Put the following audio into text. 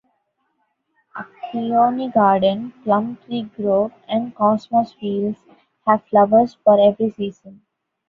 A peony garden, plum tree grove and cosmos fields have flowers for every season.